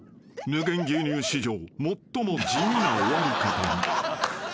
［無限牛乳史上最も地味な終わり方に］